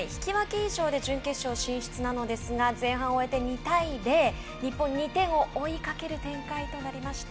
以上で準決勝進出ですが前半を終えて２対０。日本、２点を追いかける展開となりました。